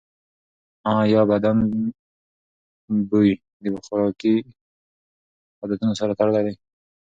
ایا بدن بوی د خوراکي عادتونو سره تړلی دی؟